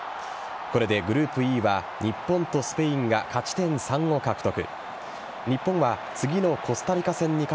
これでグループＥは日本とスペインが勝ち点３を獲得。